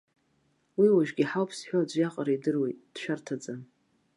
Уи уажәгьы ҳауп зҳәо аӡәы иаҟара идыруеит, дшәарҭаӡам.